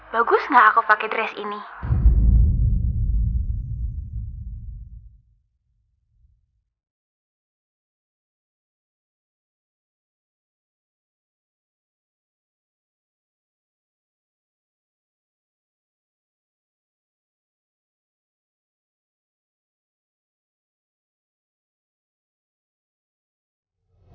bagus gak aku pakai dress ini